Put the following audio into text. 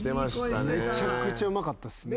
めちゃくちゃうまかったっすね。